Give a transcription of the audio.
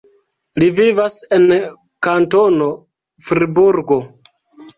Li vivas en Kantono Friburgo.